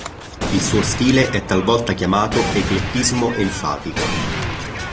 Il suo stile è talvolta chiamato "eclettismo enfatico".